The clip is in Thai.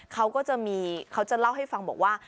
เขาก็จะมีเขาจะเล่าให้ฟังบอกว่า